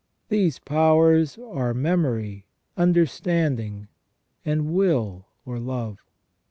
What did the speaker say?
These powers are memory, understanding, and will or love.